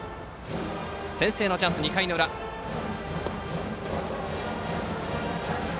先制のチャンス、２回の裏宮崎学園。